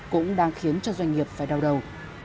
cũng đang khiến cho doanh nghiệp phải đau đầu